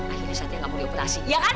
akhirnya satria nggak mau dioperasi iya kan